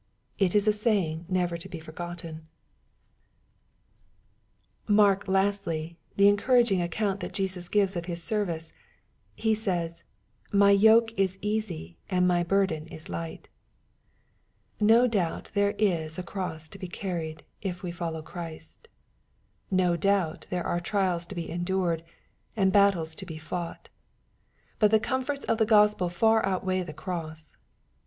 It is a saying never to be forgotten. 120 EXPOSITOBY THOUOHTS. Marky lastly^ the encouraging account that Jesus givei of His service. He says, " My yoke is easy, and my burden is light." No doubt there is a cross to be carried, if we follow Christ No doubt there are trials to be en dured, and battles to be fought. But the comforts of the Gospel far outweigh the cross.